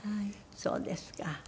そうですか。